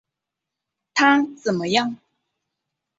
他怎么样？